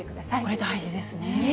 これ、大事ですね。